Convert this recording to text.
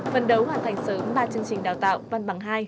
phần đấu hoàn thành sớm ba chương trình đào tạo văn bằng hai